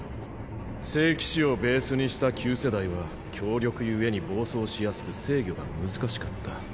聖騎士をベースにした旧世代は強力ゆえに暴走しやすく制御が難しかった。